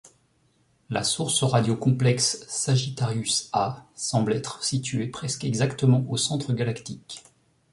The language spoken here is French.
La source radio complexe Sagittarius A semble être située presque exactement au centre galactique.